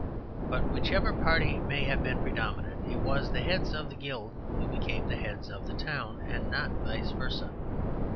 But whichever party may have been predominant, it was the heads of the Guild who became the heads of the town, and not vice versâ.